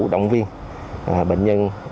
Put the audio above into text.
động viên bệnh nhân